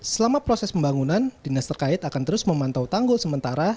selama proses pembangunan dinas terkait akan terus memantau tanggul sementara